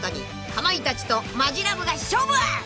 ［かまいたちとマヂラブが勝負！］